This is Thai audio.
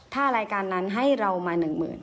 ถ้ารายการนั้นให้เรามา๑๐๐๐